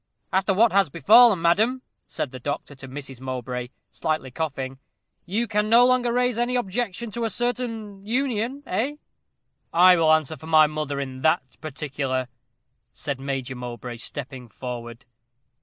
"After what has befallen, madam," said the doctor to Mrs. Mowbray, slightly coughing, "you can no longer raise any objection to a certain union, eh?" "I will answer for my mother in that particular," said Major Mowbray, stepping forward.